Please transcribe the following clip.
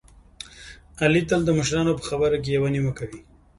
علي تل د مشرانو په خبره کې یوه نیمه کوي.